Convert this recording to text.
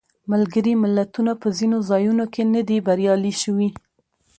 ملګري ملتونه په ځینو ځایونو کې نه دي بریالي شوي.